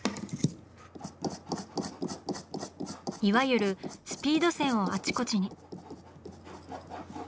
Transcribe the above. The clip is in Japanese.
いわゆるスピード線をあちこちに。